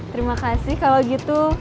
terima kasih kalau gitu